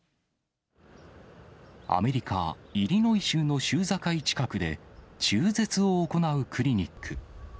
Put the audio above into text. アメリカ・イリノイ州の州境近くで中絶を行うクリニック。